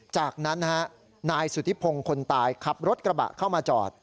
จากนั้นนายสุธิพงศ์คนตายขับรถกระบะเข้ามาจอด